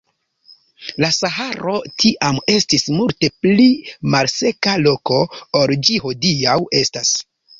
La Saharo tiam estis multe pli malseka loko ol ĝi hodiaŭ estas.